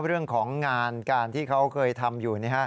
เรื่องของงานการที่เขาเคยทำอยู่